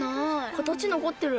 形残ってる。